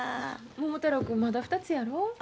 桃太郎君まだ２つやろ。